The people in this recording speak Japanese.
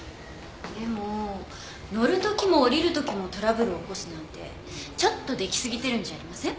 でも乗る時も降りる時もトラブルを起こすなんてちょっと出来すぎてるんじゃありません？